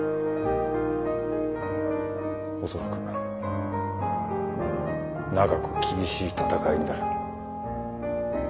恐らく長く厳しい闘いになる。